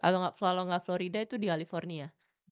kalau gak florida itu di california